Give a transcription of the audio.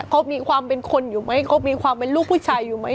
เขามีความเป็นคนอยู่ไหมเขามีความเป็นลูกผู้ชายอยู่ไหม